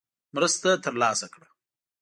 مرسته ترلاسه کړه.